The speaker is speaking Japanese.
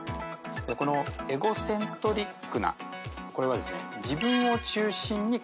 エゴセントリックなこれはですね。